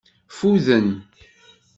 Ffuden.